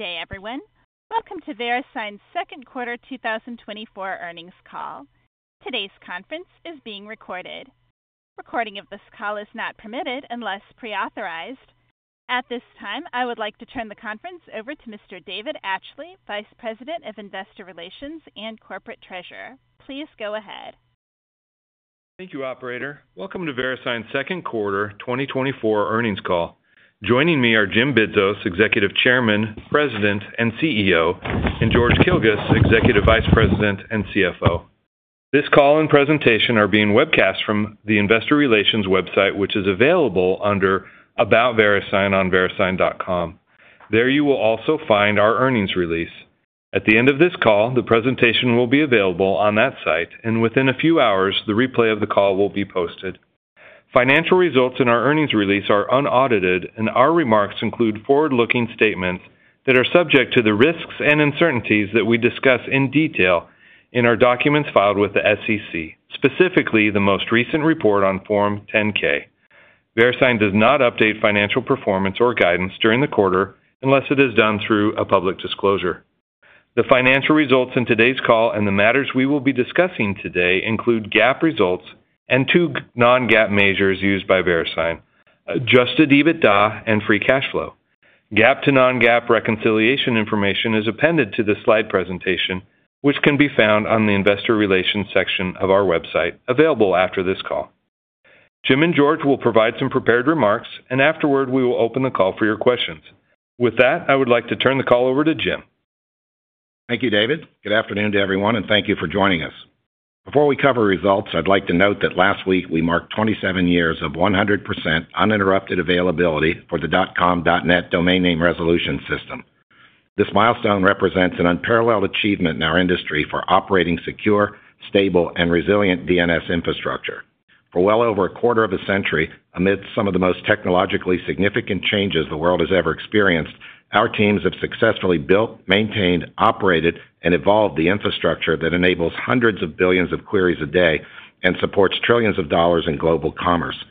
Good day, everyone. Welcome to Verisign's second quarter 2024 earnings call. Today's conference is being recorded. Recording of this call is not permitted unless pre-authorized. At this time, I would like to turn the conference over to Mr. David Atchley, Vice President of Investor Relations and Corporate Treasurer. Please go ahead. Thank you, Operator. Welcome to Verisign's second quarter 2024 earnings call. Joining me are James Bidzos, Executive Chairman, President, and CEO, and George Kilguss, Executive Vice President and CFO. This call and presentation are being webcast from the Investor Relations website, which is available under About Verisign on verisign.com. There you will also find our earnings release. At the end of this call, the presentation will be available on that site, and within a few hours, the replay of the call will be posted. Financial results in our earnings release are unaudited, and our remarks include forward-looking statements that are subject to the risks and uncertainties that we discuss in detail in our documents filed with the SEC, specifically the most recent report on Form 10-K. Verisign does not update financial performance or guidance during the quarter unless it is done through a public disclosure. The financial results in today's call and the matters we will be discussing today include GAAP results and two non-GAAP measures used by Verisign, Adjusted EBITDA and Free Cash Flow. GAAP to non-GAAP reconciliation information is appended to this slide presentation, which can be found on the Investor Relations section of our website, available after this call. James and George will provide some prepared remarks, and afterward, we will open the call for your questions. With that, I would like to turn the call over to James. Thank you, David. Good afternoon to everyone, and thank you for joining us. Before we cover results, I'd like to note that last week we marked 27 years of 100% uninterrupted availability for the .com.net domain name resolution system. This milestone represents an unparalleled achievement in our industry for operating secure, stable, and resilient DNS infrastructure. For well over a quarter of a century, amidst some of the most technologically significant changes the world has ever experienced, our teams have successfully built, maintained, operated, and evolved the infrastructure that enables hundreds of billions of queries a day and supports trillions of dollars in global commerce.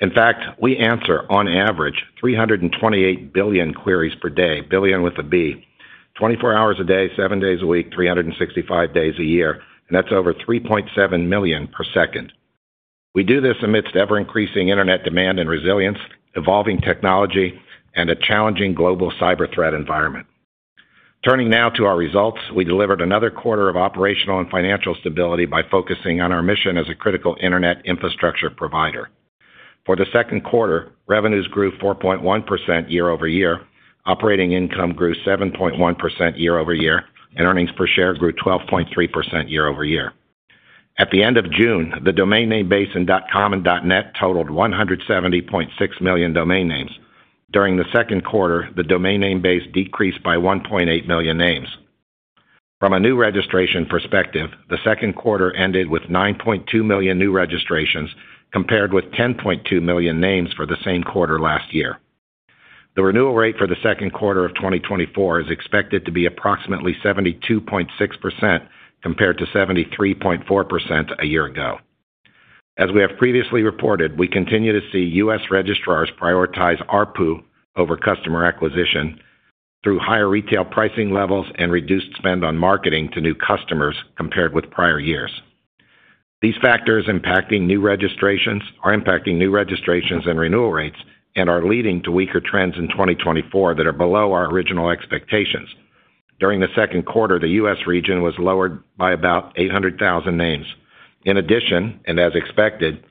In fact, we answer, on average, 328 billion queries per day, billion with a B. 24 hours a day, seven days a week, 365 days a year, and that's over 3.7 million per second. We do this amidst ever-increasing internet demand and resilience, evolving technology, and a challenging global cyber threat environment. Turning now to our results, we delivered another quarter of operational and financial stability by focusing on our mission as a critical internet infrastructure provider. For the second quarter, revenues grew 4.1% year-over-year, operating income grew 7.1% year-over-year, and earnings per share grew 12.3% year-over-year. At the end of June, the domain name base in .com and .net totaled 170.6 million domain names. During the second quarter, the domain name base decreased by 1.8 million names. From a new registration perspective, the second quarter ended with 9.2 million new registrations, compared with 10.2 million names for the same quarter last year. The renewal rate for the second quarter of 2024 is expected to be approximately 72.6% compared to 73.4% a year ago. As we have previously reported, we continue to see U.S. registrars prioritize ARPU over customer acquisition through higher retail pricing levels and reduced spend on marketing to new customers compared with prior years. These factors impacting new registrations are impacting new registrations and renewal rates and are leading to weaker trends in 2024 that are below our original expectations. During the second quarter, the U.S. region was lowered by about 800,000 names. In addition, and as expected,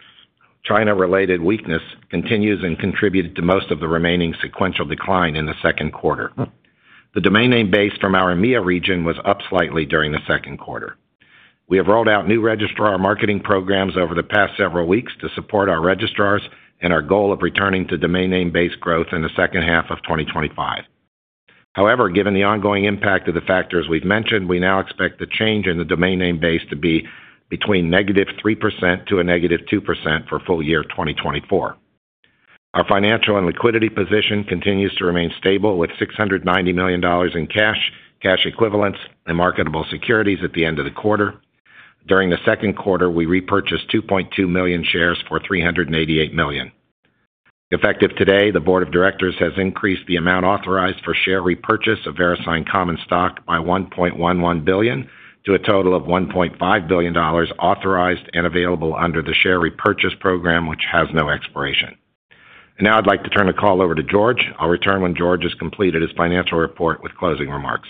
China-related weakness continues and contributed to most of the remaining sequential decline in the second quarter. The domain name base from our EMEA region was up slightly during the second quarter. We have rolled out new registrar marketing programs over the past several weeks to support our registrars and our goal of returning to domain name base growth in the second half of 2025. However, given the ongoing impact of the factors we've mentioned, we now expect the change in the domain name base to be between -3% to -2% for full year 2024. Our financial and liquidity position continues to remain stable with $690 million in cash, cash equivalents, and marketable securities at the end of the quarter. During the second quarter, we repurchased 2.2 million shares for $388 million. Effective today, the Board of Directors has increased the amount authorized for share repurchase of Verisign Common Stock by $1.11 billion to a total of $1.5 billion authorized and available under the share repurchase program, which has no expiration. Now I'd like to turn the call over to George. I'll return when George has completed his financial report with closing remarks.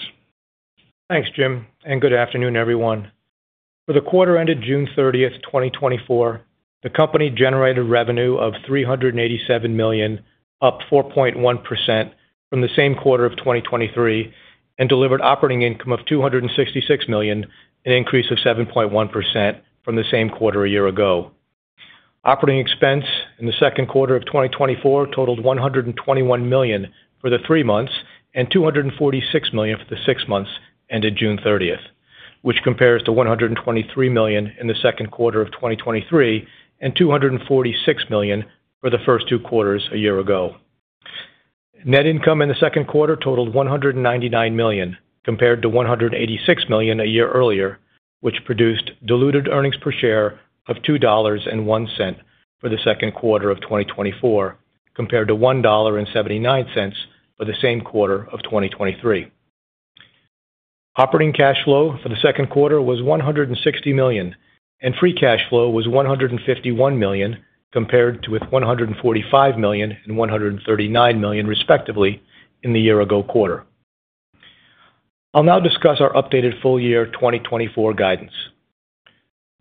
Thanks, James. Good afternoon, everyone. For the quarter ended June 30, 2024, the company generated revenue of $387 million, up 4.1% from the same quarter of 2023, and delivered operating income of $266 million, an increase of 7.1% from the same quarter a year ago. Operating expense in the second quarter of 2024 totaled $121 million for the three months and $246 million for the six months ended June 30, which compares to $123 million in the second quarter of 2023 and $246 million for the first two quarters a year ago. Net income in the second quarter totaled $199 million, compared to $186 million a year earlier, which produced diluted earnings per share of $2.01 for the second quarter of 2024, compared to $1.79 for the same quarter of 2023. Operating cash flow for the second quarter was $160 million, and free cash flow was $151 million, compared to $145 million and $139 million, respectively, in the year-ago quarter. I'll now discuss our updated full year 2024 guidance.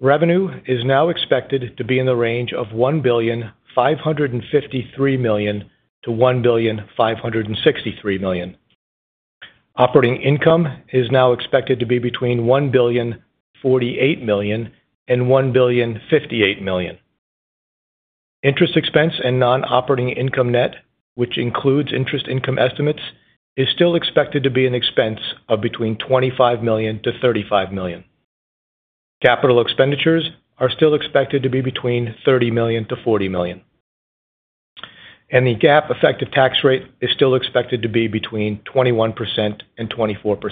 Revenue is now expected to be in the range of $1,553 million to $1,563 million. Operating income is now expected to be between $1,048 million and $1,058 million. Interest expense and non-operating income net, which includes interest income estimates, is still expected to be an expense of between $25 million to $35 million. Capital expenditures are still expected to be between $30 million to $40 million. The GAAP effective tax rate is still expected to be between 21% and 24%.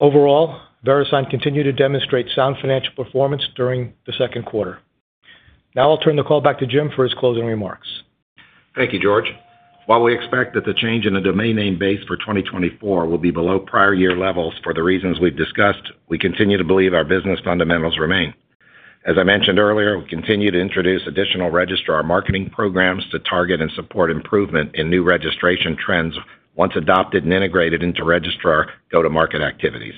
Overall, Verisign continued to demonstrate sound financial performance during the second quarter. Now I'll turn the call back to James for his closing remarks. Thank you, George. While we expect that the change in the domain name base for 2024 will be below prior year levels for the reasons we've discussed, we continue to believe our business fundamentals remain. As I mentioned earlier, we continue to introduce additional registrar marketing programs to target and support improvement in new registration trends once adopted and integrated into registrar go-to-market activities.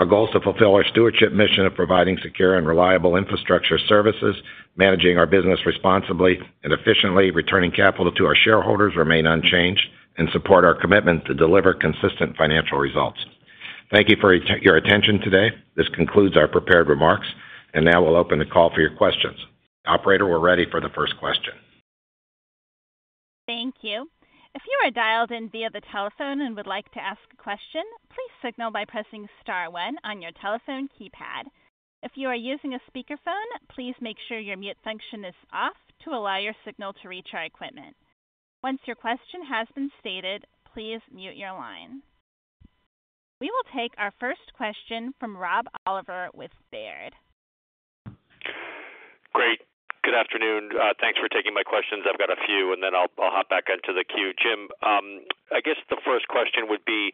Our goal is to fulfill our stewardship mission of providing secure and reliable infrastructure services, managing our business responsibly and efficiently, returning capital to our shareholders remain unchanged, and support our commitment to deliver consistent financial results. Thank you for your attention today. This concludes our prepared remarks, and now we'll open the call for your questions. Operator, we're ready for the first question. Thank you. If you are dialed in via the telephone and would like to ask a question, please signal by pressing star when on your telephone keypad. If you are using a speakerphone, please make sure your mute function is off to allow your signal to reach our equipment. Once your question has been stated, please mute your line. We will take our first question from Rob Oliver with Baird. Great. Good afternoon. Thanks for taking my questions. I've got a few, and then I'll hop back into the queue. James, I guess the first question would be,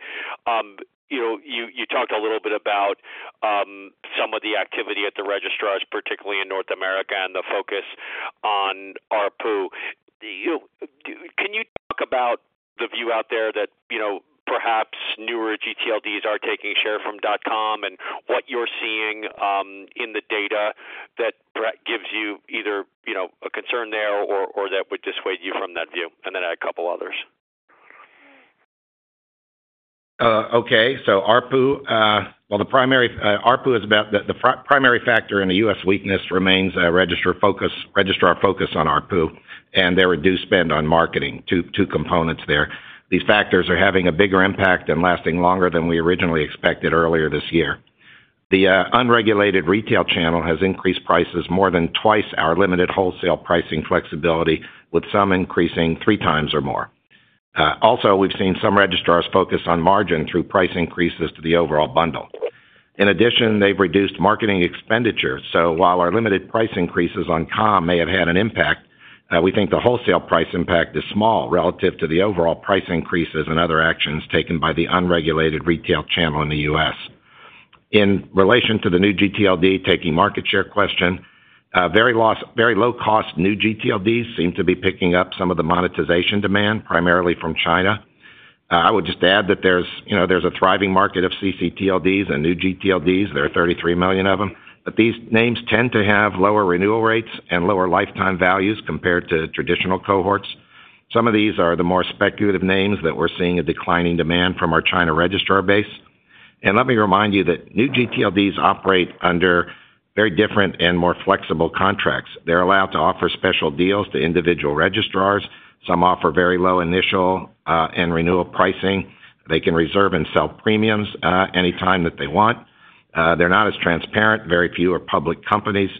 you talked a little bit about some of the activity at the registrars, particularly in North America, and the focus on ARPU. Can you talk about the view out there that perhaps newer gTLDs are taking share from .com and what you're seeing in the data that gives you either a concern there or that would dissuade you from that view? And then add a couple others. Okay. So ARPU, well, the primary ARPU is about the primary factor in the U.S. weakness remains registrar focus on ARPU and their reduced spend on marketing, two components there. These factors are having a bigger impact and lasting longer than we originally expected earlier this year. The unregulated retail channel has increased prices more than twice our limited wholesale pricing flexibility, with some increasing three times or more. Also, we've seen some registrars focus on margin through price increases to the overall bundle. In addition, they've reduced marketing expenditure. So while our limited price increases on .com may have had an impact, we think the wholesale price impact is small relative to the overall price increases and other actions taken by the unregulated retail channel in the U.S. In relation to the new gTLD taking market share question, very low-cost new gTLDs seem to be picking up some of the monetization demand, primarily from China. I would just add that there's a thriving market of ccTLDs and new gTLDs. There are 33 million of them. But these names tend to have lower renewal rates and lower lifetime values compared to traditional cohorts. Some of these are the more speculative names that we're seeing a declining demand from our China registrar base. And let me remind you that new gTLDs operate under very different and more flexible contracts. They're allowed to offer special deals to individual registrars. Some offer very low initial and renewal pricing. They can reserve and sell premiums anytime that they want. They're not as transparent. Very few are public companies.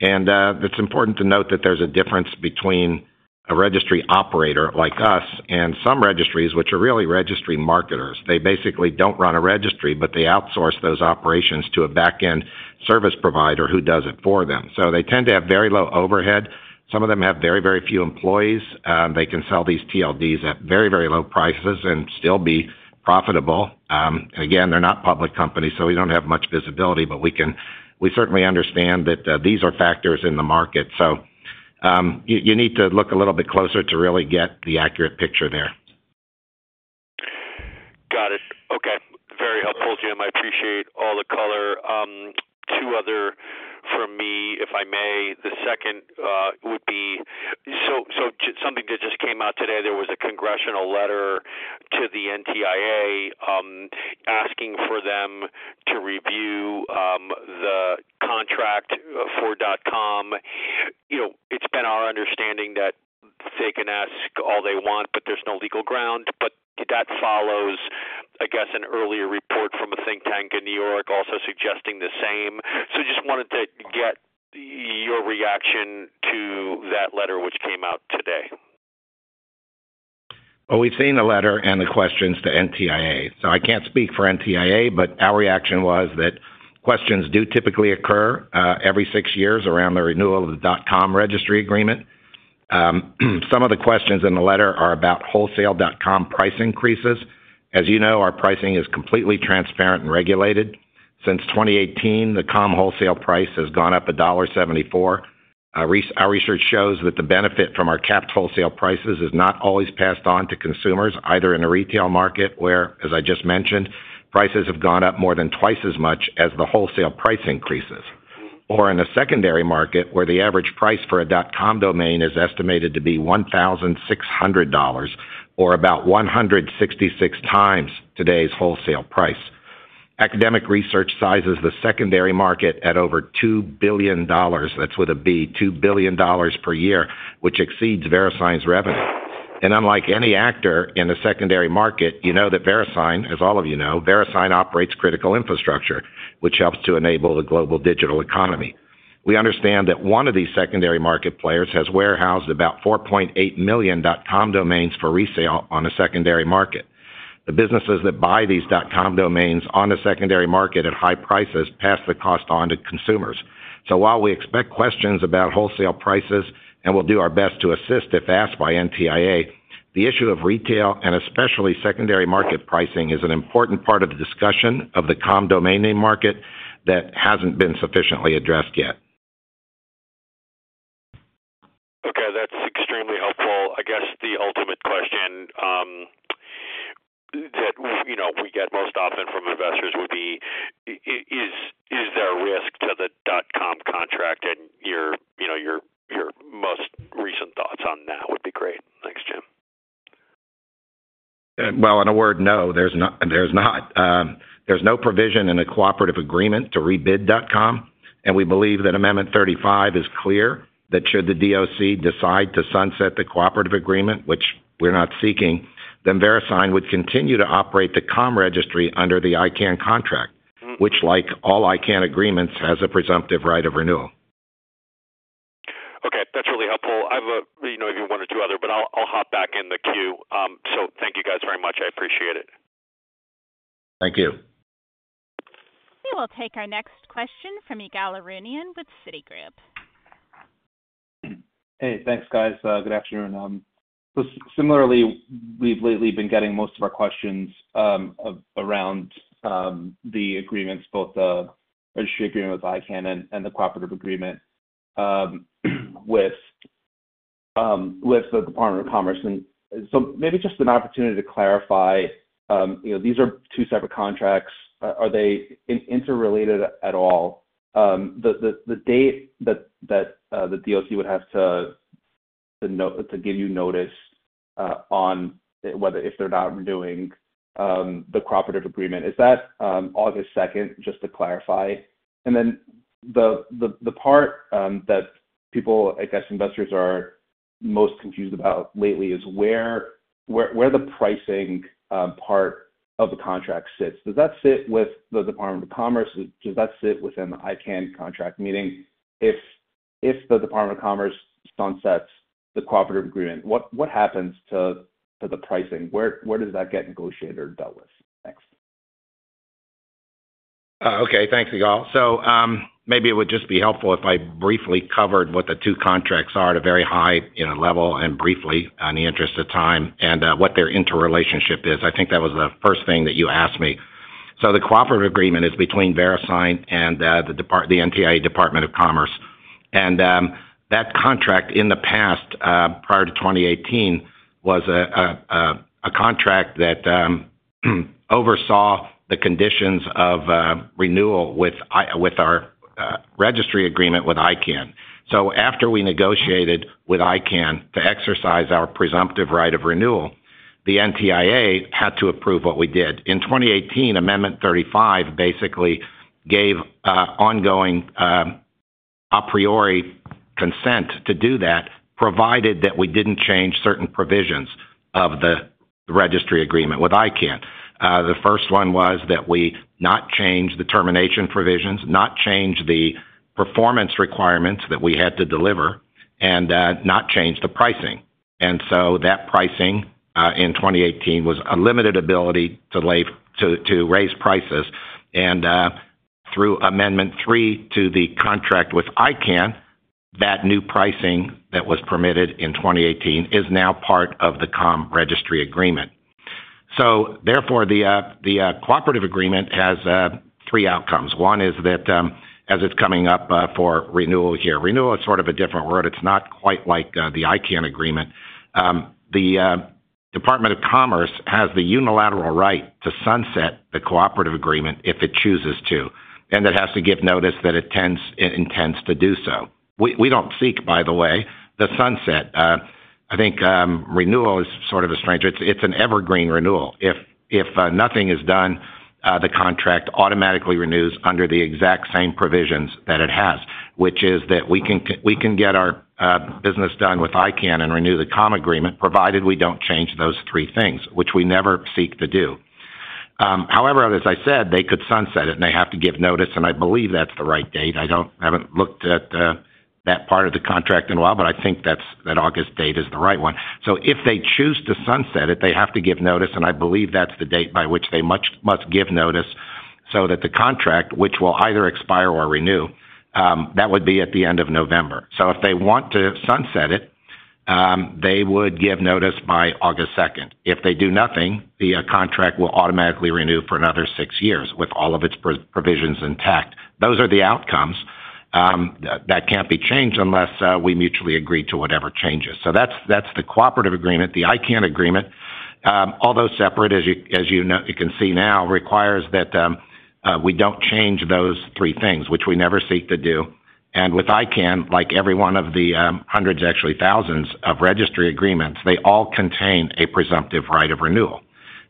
It's important to note that there's a difference between a registry operator like us and some registries, which are really registry marketers. They basically don't run a registry, but they outsource those operations to a back-end service provider who does it for them. They tend to have very low overhead. Some of them have very, very few employees. They can sell these TLDs at very, very low prices and still be profitable. Again, they're not public companies, so we don't have much visibility, but we certainly understand that these are factors in the market. You need to look a little bit closer to really get the accurate picture there. Got it. Okay. Very helpful, James. I appreciate all the color. Two others from me, if I may. The second would be so something that just came out today. There was a congressional letter to the NTIA asking for them to review the contract for .com. It's been our understanding that they can ask all they want, but there's no legal ground. But that follows, I guess, an earlier report from a think tank in New York also suggesting the same. So just wanted to get your reaction to that letter, which came out today. Well, we've seen the letter and the questions to NTIA. So I can't speak for NTIA, but our reaction was that questions do typically occur every six years around the renewal of the .com registry agreement. Some of the questions in the letter are about .com wholesale price increases. As you know, our pricing is completely transparent and regulated. Since 2018, the .com wholesale price has gone up $1.74. Our research shows that the benefit from our capped wholesale prices is not always passed on to consumers, either in a retail market where, as I just mentioned, prices have gone up more than twice as much as the wholesale price increases, or in a secondary market where the average price for a .com domain is estimated to be $1,600 or about 166 times today's wholesale price. Academic research sizes the secondary market at over $2 billion. That's with a B, $2 billion per year, which exceeds Verisign's revenue. And unlike any actor in the secondary market, you know that Verisign, as all of you know, Verisign operates critical infrastructure, which helps to enable the global digital economy. We understand that one of these secondary market players has warehoused about 4.8 million .com domains for resale on a secondary market. The businesses that buy these .com domains on the secondary market at high prices pass the cost on to consumers. So while we expect questions about wholesale prices, and we'll do our best to assist if asked by NTIA, the issue of retail and especially secondary market pricing is an important part of the discussion of the com domain name market that hasn't been sufficiently addressed yet. Okay. That's extremely helpful. I guess the ultimate question that we get most often from investors would be, is there a risk to the .com contract? And your most recent thoughts on that would be great. Thanks, James. Well, in a word, no, there's not. There's no provision in the Cooperative Agreement to rebid .com. We believe that Amendment 35 is clear that should the DOC decide to sunset the Cooperative Agreement, which we're not seeking, then Verisign would continue to operate the .com registry under the ICANN contract, which, like all ICANN agreements, has a presumptive right of renewal. Okay. That's really helpful. I have maybe one or two other, but I'll hop back in the queue. So thank you guys very much. I appreciate it. Thank you. We will take our next question from Ygal Arounian with Citigroup. Hey, thanks, guys. Good afternoon. Similarly, we've lately been getting most of our questions around the agreements, both the registry agreement with ICANN and the cooperative agreement with the Department of Commerce. And so maybe just an opportunity to clarify, these are two separate contracts. Are they interrelated at all? The date that the DOC would have to give you notice on whether if they're not renewing the cooperative agreement, is that August 2, just to clarify? And then the part that people, I guess investors, are most confused about lately is where the pricing part of the contract sits. Does that sit with the Department of Commerce? Does that sit within the ICANN contract? Meaning, if the Department of Commerce sunsets the cooperative agreement, what happens to the pricing? Where does that get negotiated or dealt with next? Okay. Thanks, Ygal. So maybe it would just be helpful if I briefly covered what the two contracts are at a very high level and briefly in the interest of time and what their interrelationship is. I think that was the first thing that you asked me. So the cooperative agreement is between Verisign and the NTIA, U.S. Department of Commerce. And that contract in the past, prior to 2018, was a contract that oversaw the conditions of renewal with our registry agreement with ICANN. So after we negotiated with ICANN to exercise our presumptive right of renewal, the NTIA had to approve what we did. In 2018, Amendment 35 basically gave ongoing a priori consent to do that, provided that we didn't change certain provisions of the registry agreement with ICANN. The first one was that we not change the termination provisions, not change the performance requirements that we had to deliver, and not change the pricing. And so that pricing in 2018 was a limited ability to raise prices. And through Amendment 3 to the contract with ICANN, that new pricing that was permitted in 2018 is now part of the .com registry agreement. So therefore, the Cooperative Agreement has three outcomes. One is that as it's coming up for renewal here, renewal is sort of a different word. It's not quite like the ICANN agreement. The Department of Commerce has the unilateral right to sunset the Cooperative Agreement if it chooses to, and it has to give notice that it intends to do so. We don't seek, by the way, the sunset. I think renewal is sort of a strange. It's an evergreen renewal. If nothing is done, the contract automatically renews under the exact same provisions that it has, which is that we can get our business done with ICANN and renew the com agreement, provided we don't change those three things, which we never seek to do. However, as I said, they could sunset it, and they have to give notice, and I believe that's the right date. I haven't looked at that part of the contract in a while, but I think that August date is the right one. So if they choose to sunset it, they have to give notice, and I believe that's the date by which they must give notice so that the contract, which will either expire or renew, that would be at the end of November. So if they want to sunset it, they would give notice by August 2. If they do nothing, the contract will automatically renew for another six years with all of its provisions intact. Those are the outcomes. That can't be changed unless we mutually agree to whatever changes. So that's the Cooperative Agreement. The ICANN agreement, although separate, as you can see now, requires that we don't change those three things, which we never seek to do. With ICANN, like every one of the hundreds, actually thousands of registry agreements, they all contain a presumptive right of renewal.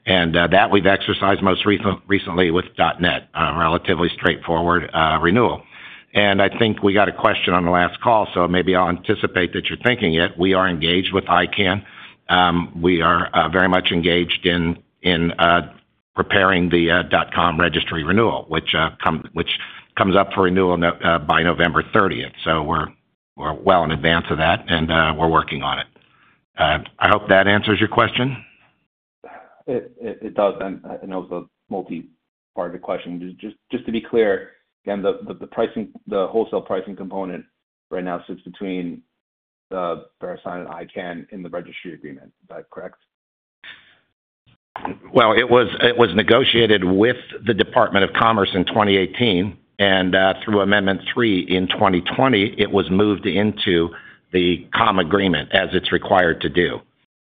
That we've exercised most recently with .net, a relatively straightforward renewal. I think we got a question on the last call, so maybe I'll anticipate that you're thinking it. We are engaged with ICANN. We are very much engaged in preparing the .com registry renewal, which comes up for renewal by November 30. So we're well in advance of that, and we're working on it. I hope that answers your question. It does. That was a multi-part of the question. Just to be clear, again, the wholesale pricing component right now sits between Verisign and ICANN in the registry agreement. Is that correct? Well, it was negotiated with the Department of Commerce in 2018, and through Amendment three in 2020, it was moved into the .com agreement as it's required to do.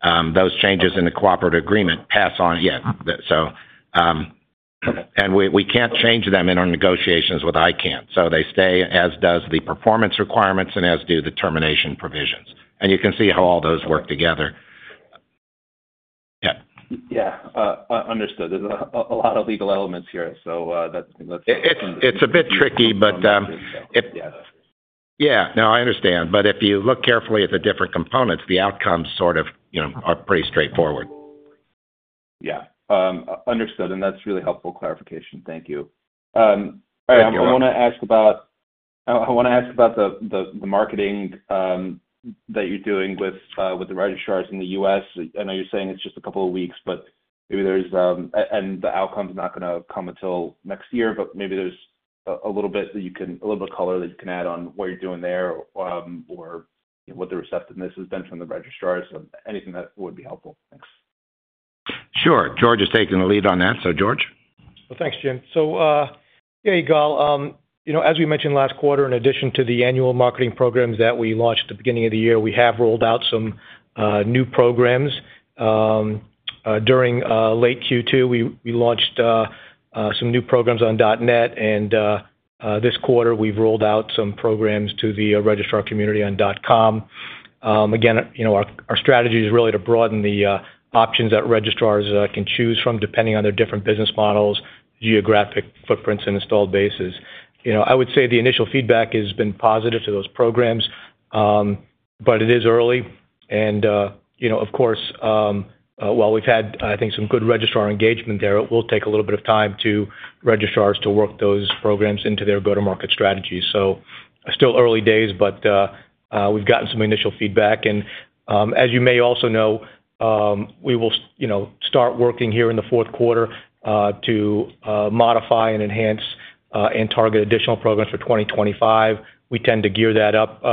Those changes in the cooperative agreement pass on yet. And we can't change them in our negotiations with ICANN. So they stay, as does the performance requirements and as do the termination provisions. And you can see how all those work together. Yeah. Yeah. Understood. There's a lot of legal elements here, so that's good. It's a bit tricky, but yeah. No, I understand. But if you look carefully at the different components, the outcomes sort of are pretty straightforward. Yeah. Understood. And that's really helpful clarification. Thank you. I want to ask about the marketing that you're doing with the registrars in the U.S. I know you're saying it's just a couple of weeks, but maybe the outcome's not going to come until next year, but maybe there's a little bit of color that you can add on what you're doing there or what the receptiveness has been from the registrars. Anything that would be helpful. Thanks. Sure. George is taking the lead on that. So, George. Well, thanks, James. So, yeah, Ygal, as we mentioned last quarter, in addition to the annual marketing programs that we launched at the beginning of the year, we have rolled out some new programs. During late Q2, we launched some new programs on .net, and this quarter, we've rolled out some programs to the registrar community on .com. Again, our strategy is really to broaden the options that registrars can choose from depending on their different business models, geographic footprints, and installed bases. I would say the initial feedback has been positive to those programs, but it is early. And, of course, while we've had, I think, some good registrar engagement there, it will take a little bit of time to registrars to work those programs into their go-to-market strategies. So still early days, but we've gotten some initial feedback. As you may also know, we will start working here in the fourth quarter to modify and enhance and target additional programs for 2025. We tend to gear that up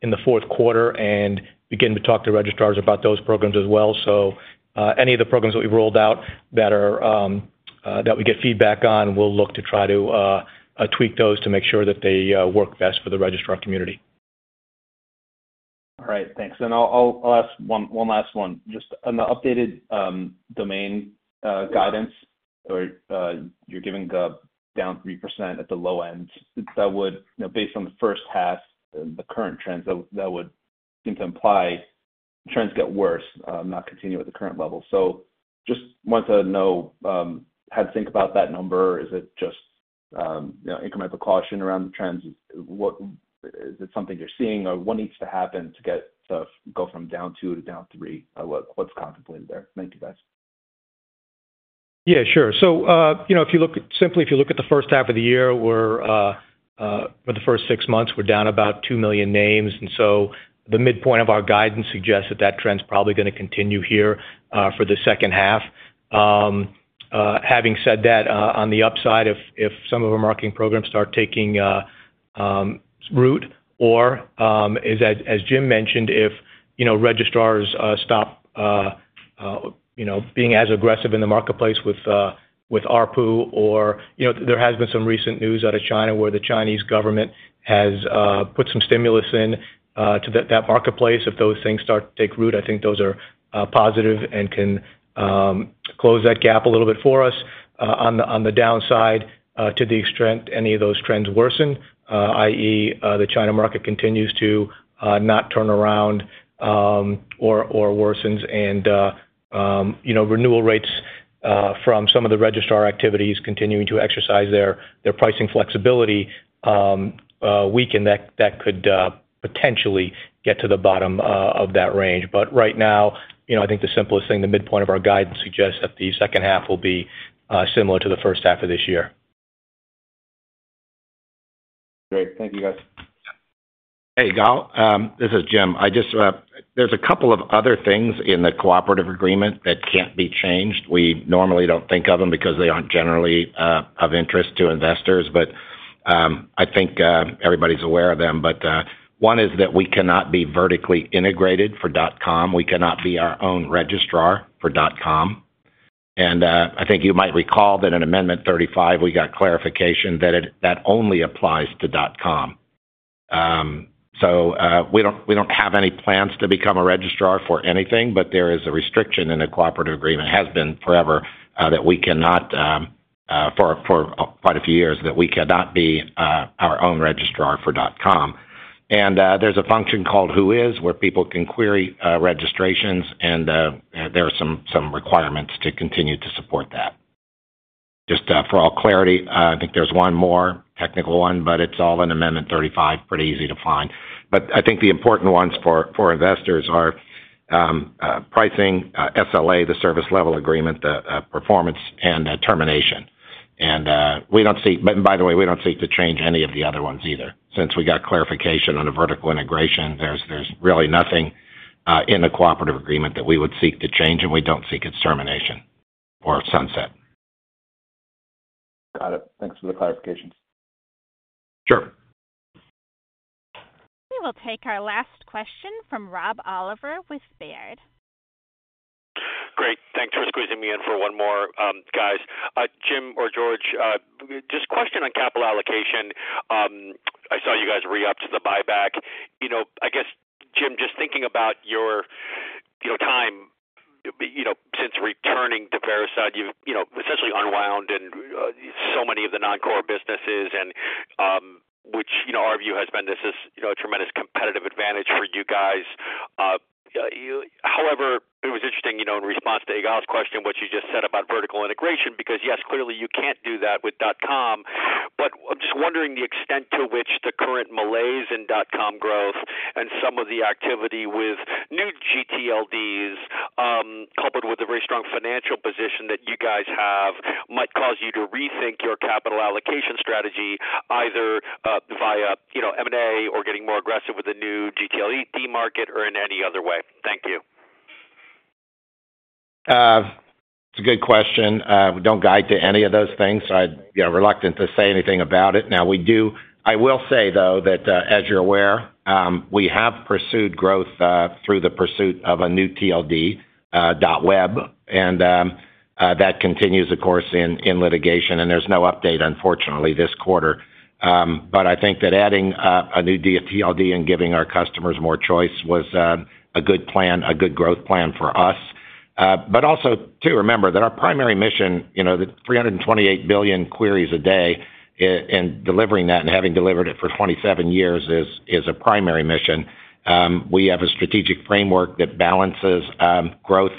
in the fourth quarter and begin to talk to registrars about those programs as well. Any of the programs that we've rolled out that we get feedback on, we'll look to try to tweak those to make sure that they work best for the registrar community. All right. Thanks. And I'll ask one last one. Just on the updated domain guidance, you're giving down 3% at the low end. Based on the first half, the current trends, that would seem to imply trends get worse, not continue at the current level. So just want to know how to think about that number. Is it just incremental caution around the trends? Is it something you're seeing? Or what needs to happen to get stuff go from down 2% to down 3%? What's contemplated there? Thank you, guys. Yeah, sure. So if you look simply, if you look at the first half of the year, we're for the first six months, we're down about 2 million names. And so the midpoint of our guidance suggests that that trend's probably going to continue here for the second half. Having said that, on the upside, if some of our marketing programs start taking root, or as James mentioned, if registrars stop being as aggressive in the marketplace with ARPU, or there has been some recent news out of China where the Chinese government has put some stimulus into that marketplace. If those things start to take root, I think those are positive and can close that gap a little bit for us. On the downside, to the extent any of those trends worsen, i.e., the China market continues to not turn around or worsens, and renewal rates from some of the registrar activities continuing to exercise their pricing flexibility weaken, that could potentially get to the bottom of that range. But right now, I think the simplest thing, the midpoint of our guidance suggests that the second half will be similar to the first half of this year. Great. Thank you, guys. Hey, Ygal. This is James. There's a couple of other things in the Cooperative Agreement that can't be changed. We normally don't think of them because they aren't generally of interest to investors, but I think everybody's aware of them. But one is that we cannot be vertically integrated for .com. We cannot be our own registrar for .com. And I think you might recall that in Amendment 35, we got clarification that that only applies to .com. So we don't have any plans to become a registrar for anything, but there is a restriction in the Cooperative Agreement, has been forever, that we cannot for quite a few years that we cannot be our own registrar for .com. And there's a function called WHOIS where people can query registrations, and there are some requirements to continue to support that. Just for all clarity, I think there's one more technical one, but it's all in Amendment 35, pretty easy to find. But I think the important ones for investors are pricing, SLA, the service level agreement, the performance, and termination. And by the way, we don't seek to change any of the other ones either. Since we got clarification on a vertical integration, there's really nothing in the cooperative agreement that we would seek to change, and we don't seek its termination or sunset. Got it. Thanks for the clarifications. Sure. We will take our last question from Rob Oliver with Baird. Great. Thanks for squeezing me in for one more, guys. James or George, just a question on capital allocation. I saw you guys re-up to the buyback. I guess, James, just thinking about your time since returning to Verisign, you've essentially unwound so many of the non-core businesses, which our view has been this is a tremendous competitive advantage for you guys. However, it was interesting in response to Ygal's question, what you just said about vertical integration, because yes, clearly you can't do that with .com. But I'm just wondering the extent to which the current malaise in .com growth and some of the activity with new gTLDs, coupled with a very strong financial position that you guys have, might cause you to rethink your capital allocation strategy, either via M&A or getting more aggressive with the new gTLD market or in any other way. Thank you. It's a good question. We don't guide to any of those things, so I'm reluctant to say anything about it. Now, I will say, though, that as you're aware, we have pursued growth through the pursuit of a new TLD, .web, and that continues, of course, in litigation, and there's no update, unfortunately, this quarter. But I think that adding a new TLD and giving our customers more choice was a good plan, a good growth plan for us. But also, too, remember that our primary mission, the 328 billion queries a day, and delivering that and having delivered it for 27 years is a primary mission. We have a strategic framework that balances growth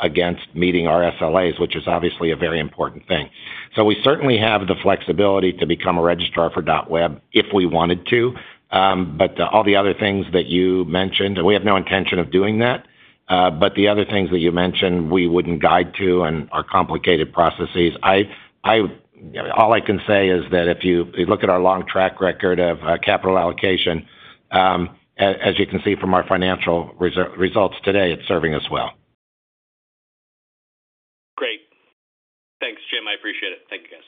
against meeting our SLAs, which is obviously a very important thing. So we certainly have the flexibility to become a registrar for .web if we wanted to. But all the other things that you mentioned, we have no intention of doing that. But the other things that you mentioned, we wouldn't guide to, and our complicated processes, all I can say is that if you look at our long track record of capital allocation, as you can see from our financial results today, it's serving us well. Great. Thanks, James. I appreciate it. Thank you, guys.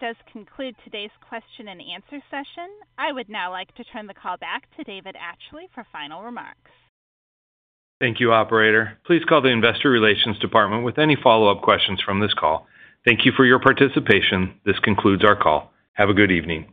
This does conclude today's question and answer session. I would now like to turn the call back to David Atchley for final remarks. Thank you, Operator. Please call the Investor Relations Department with any follow-up questions from this call. Thank you for your participation. This concludes our call. Have a good evening.